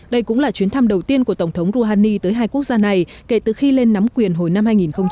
đây cũng là chuyến thăm đầu tiên của tổng thống rouhani tới hai quốc gia này kể từ khi lên nắm quyền hồi năm hai nghìn một mươi